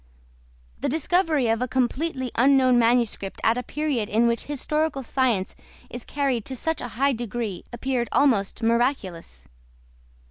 The discovery of a completely unknown manuscript at a period in which historical science is carried to such a high degree appeared almost miraculous.